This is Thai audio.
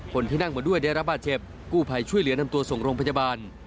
คนที่นั่งมาด้วยได้รับบาดเจ็บกู้ภัยช่วยเหลือนำตัวส่งโรงพยาบาล